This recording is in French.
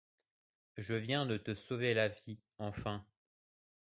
Je viens de te sauver la vie, enfin !